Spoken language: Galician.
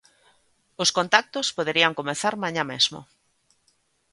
Os contactos poderían comezar mañá mesmo.